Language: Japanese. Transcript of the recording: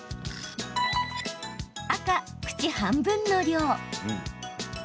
赤・口半分の量。